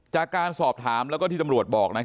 จากการสอบถามแล้วก็ที่ตำรวจบอก